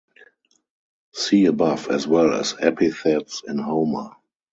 See above, as well as epithets in Homer.